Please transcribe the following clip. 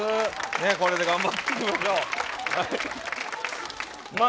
これで頑張っていきましょう。